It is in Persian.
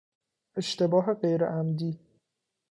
اشتباه غیرعمدی